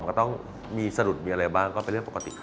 ก็ต้องมีสะดุดมีอะไรบ้างก็เป็นเรื่องปกติครับ